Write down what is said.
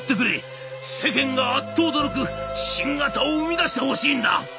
世間がアッと驚く新型を生み出してほしいんだ！」。